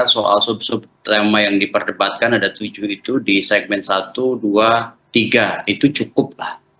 soal sub sub tema yang diperdebatkan ada tujuh itu di segmen satu dua tiga itu cukup lah